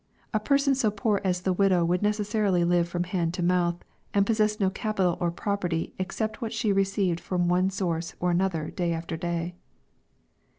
A person so poor as the widow would necessarily hve from hand to mouth, and possess no capital or property, except what she received from one source or another day after day.